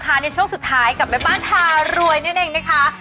กลับมาช่วงสุดท้ายกลับมาแม่บ้านทารวยนั่นเองนะคะ